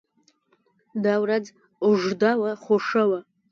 دا ورځ اوږده وه خو ښه وه.